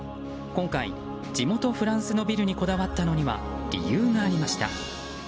今回、地元フランスのビルにこだわったのには理由がありました。